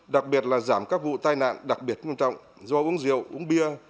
đặc biệt là giảm các vụ tai nạn đặc biệt nghiêm trọng do uống rượu uống bia